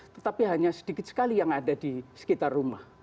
tetapi hanya sedikit sekali yang ada di sekitar rumah